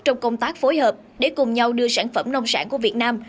trong công tác phối hợp để cùng nhau đưa sản phẩm nông sản của việt nam